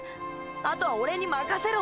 あとは俺に任せろ。